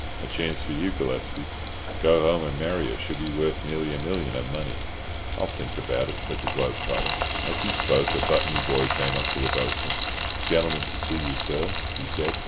A chance for you, Gillespie. Go home and marry her—she'll be worth nearly a million of money." "I'll think about it," said the globe trotter. As he spoke a buttony boy came up to the Bo'sun. "Gentleman to see you, sir," he said.